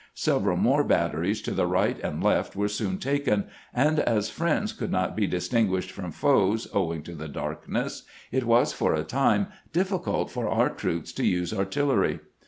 Several more batteries to the right and left were soon 406 CAMPAIGNING "WITH GRANT taken, and as friends could not be distinguished from foes, owing to tlie darkness, it was for a time difficult for our troops to use artillery.